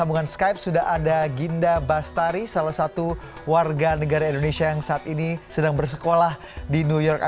berarti sudah melewati dua kali puasa di sana atau baru satu kali puasa